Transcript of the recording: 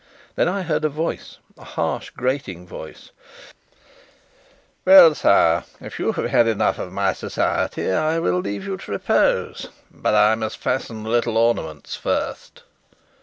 Then I heard a voice a harsh, grating voice: "Well, sire, if you have had enough of my society, I will leave you to repose; but I must fasten the little ornaments first."